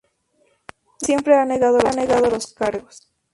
Nour siempre ha negado los cargos.